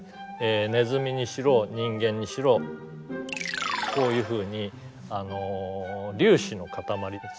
ネズミにしろ人間にしろこういうふうに粒子の固まりです。